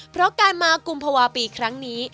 เพราะการมากุมภาวะปีครั้งนี้